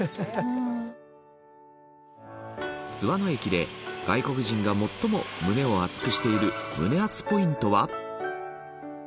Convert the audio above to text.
津和野駅で外国人が最も胸を熱くしている胸アツポイントは？